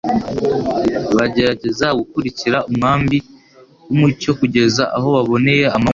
bagerageza gukurikira umwambi w’umucyo kugeza aho baboneye amanywa